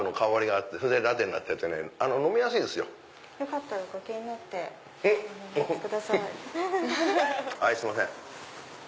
はいすいません。